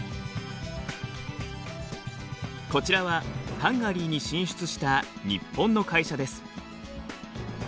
こちらはハンガリーに進出した日本の会社です。